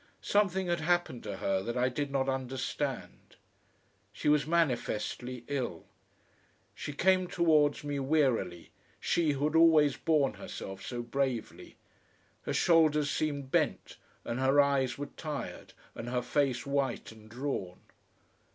Something had happened to her that I did not understand. She was manifestly ill. She came towards me wearily, she who had always borne herself so bravely; her shoulders seemed bent, and her eyes were tired, and her face white and drawn.